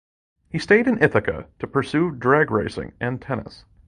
He stayed in Ithaca to pursue drag racing and tennis.